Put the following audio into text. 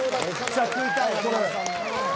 めっちゃ食いたいこれ。